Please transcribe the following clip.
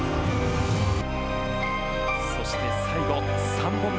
そして最後、３本目。